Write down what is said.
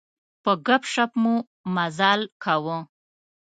په ګپ شپ مو مزال کاوه.